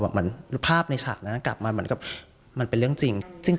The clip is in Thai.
เหมือนภาพในฉากนั้นกลับมาเหมือนกับมันเป็นเรื่องจริง